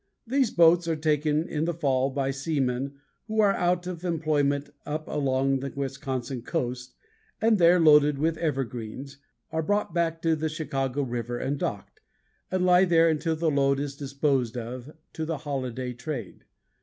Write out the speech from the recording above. These boats are taken in the fall by seamen who are out of employment up along the Wisconsin coast and there loaded with evergreens, are brought back to the Chicago river and docked, and lie there until the load is disposed of to the holiday trade.